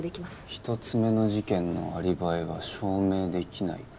１つ目の事件のアリバイは証明できないか